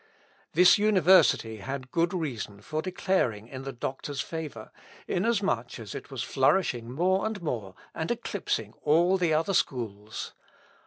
This university had good reason for declaring in the doctor's favour, in as much as it was flourishing more and more, and eclipsing all the other schools.